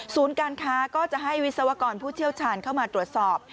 การค้าก็จะให้วิศวกรผู้เชี่ยวชาญเข้ามาตรวจสอบ